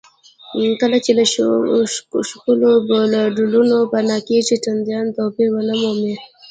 کله چې له ښکلو بولیوارډونو پناه کېږئ چندان توپیر ونه مومئ.